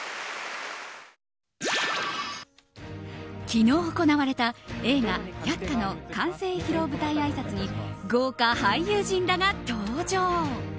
昨日行われた映画「百花」の完成披露舞台あいさつに豪華俳優陣らが登場。